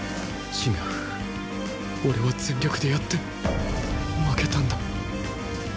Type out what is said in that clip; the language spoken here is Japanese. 違う俺は全力でやって負けたんだ